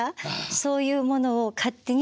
そういうものを勝手に自分に。